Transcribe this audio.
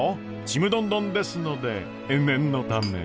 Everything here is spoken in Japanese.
ちむどんどんですので念のため。